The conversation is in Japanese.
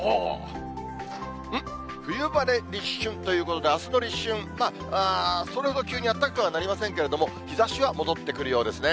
冬晴れ立春ということで、あすの立春、それほど急に暖かくはなりませんけども、日ざしは戻ってくるようですね。